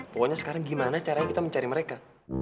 pokoknya sekarang gimana caranya kita mencari mereka